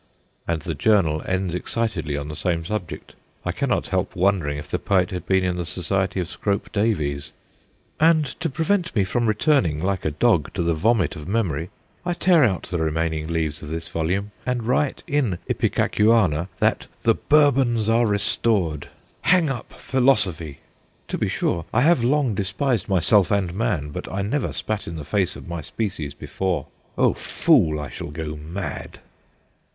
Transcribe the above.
... And the journal ends excitedly on the same subject : I cannot help wondering if the poet had been in the society of Scrope Davies. ' And to prevent me from returning, like a dog, to the vomit of memory, I tear out the remaining leaves of this volume, and write, in Ipecacuanha, "that the Bourbons are restored!!!" 96 THE GHOSTS OF PICCADILLY " Hang up philosophy !" To be sure, I have long despised myself and man, but I never spat in the face of my species before " O fool ! I shall go mad